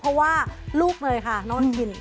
เพราะว่าลูกเลยค่ะนอนกิน